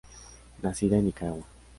Nacida en Nicaragua.